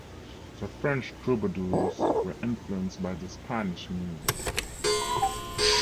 The French troubadours were influenced by the Spanish music.